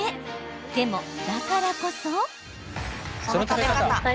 でも、だからこそ。